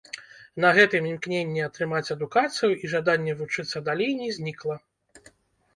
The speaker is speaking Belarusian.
На гэтым імкненне атрымаць адукацыю і жаданне вучыцца далей не знікла.